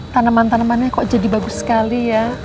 tanaman tanamannya kok jadi bagus sekali ya